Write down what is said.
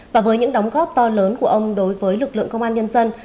và với những đóng góp to lớn của ông đối với lực lượng công an nhân dân